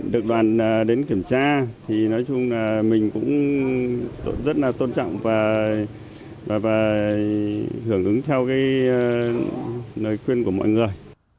được đoàn đến kiểm tra thì nói chung là mình cũng rất là tôn trọng và hưởng ứng theo lời khuyên của mọi người